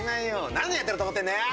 何年やってると思ってんのよ！